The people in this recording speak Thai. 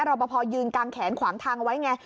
รอปภยืนกางแขนขวางทางเอาไว้ไง